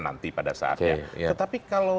nanti pada saatnya tetapi kalau